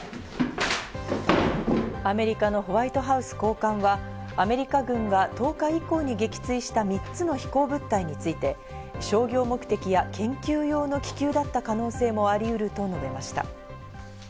アメリカのホワイトハウス高官はアメリカ軍が１０日以降に撃墜した３つの飛行物体について、商業目的や研究用の気球だった可能性もありうると述べました。